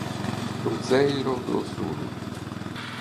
Cruzeiro do Sul